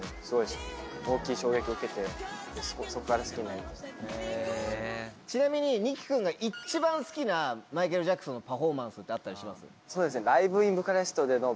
後のちなみにＮＩ−ＫＩ君が一番好きなマイケル・ジャクソンのパフォーマンスってあったりします？